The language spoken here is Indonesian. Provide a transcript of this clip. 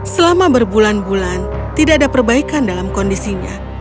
selama berbulan bulan tidak ada perbaikan dalam kondisinya